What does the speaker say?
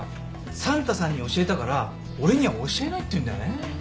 サンタさんに教えたから俺には教えないって言うんだよね。